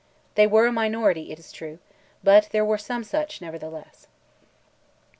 They were a minority, it is true, but there were some such, nevertheless.